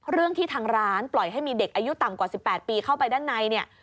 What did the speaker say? เรื่องที่ทางร้านปล่อยให้มีเด็กอายุต่ำกว่า๑๘ปีเข้าไปด้านในเนี่ย